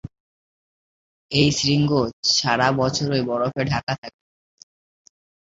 এই শৃঙ্গ সারা বছরই বরফে ঢাকা থাকে।